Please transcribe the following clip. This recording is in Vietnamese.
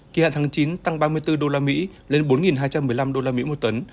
kỳ hạn tháng chín tăng ba mươi bốn usd lên bốn hai trăm một mươi năm usd một tấn